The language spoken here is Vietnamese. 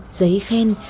và giấy khen